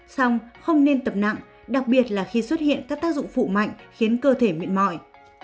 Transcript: xong không nên tập nặng đặc biệt là khi xuất hiện các tác dụng phụ mạnh khiến cơ thể mệt mỏi